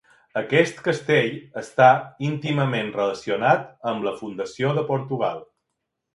Aquest castell està íntimament relacionat amb la fundació de Portugal.